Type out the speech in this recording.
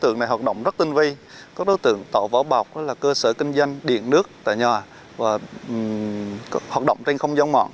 các đối tượng tạo võ bọc cơ sở kinh doanh điện nước tại nhà hoạt động trên không giao mọn